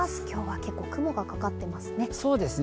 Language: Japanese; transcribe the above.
今日は結構、雲がかかっていますね。